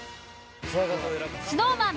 ＳｎｏｗＭａｎ